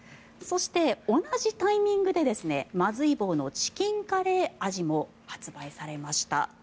そして、同じタイミングでまずい棒のチキンカレー味も発売されました。